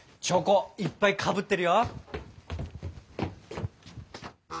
チョコいっぱいかぶってるよ！